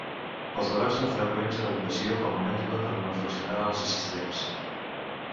Els debats són freqüents en educació com a mètode per fer reflexionar els assistents.